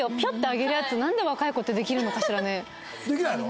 できないの？